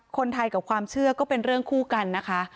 คนไทยกับความเชื่อก็เป็นเรื่องคู่กันนะคะ